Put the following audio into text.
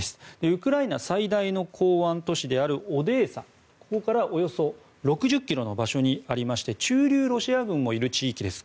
ウクライナ最大の港湾都市であるオデーサからおよそ６０ｋｍのところにありまして駐留ロシア軍もいる地域です。